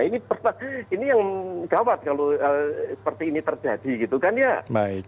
nah ini yang gawat kalau seperti ini terjadi gitu kan ya